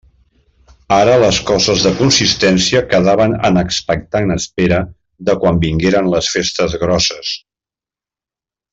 Ara, les coses de consistència quedaven en expectant espera de quan vingueren les festes grosses.